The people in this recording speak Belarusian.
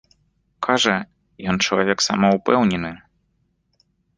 Кажа, ён чалавек самаўпэўнены.